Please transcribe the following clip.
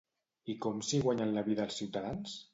I com s'hi guanyen la vida els ciutadans?